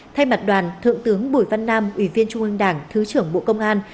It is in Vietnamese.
thay mặt đoàn thượng tướng bùi văn nam ủy viên trung ương đảng thứ trưởng bộ công an